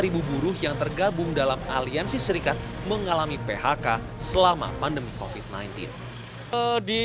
bu buruh yang tergabung dalam aliansi serikat mengalami phk selama pandemi covid sembilan belas